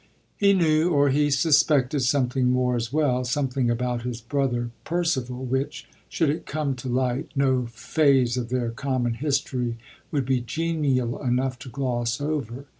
He knew or he suspected something more as well something about his brother Percival which, should it come to light, no phase of their common history would be genial enough to gloss over.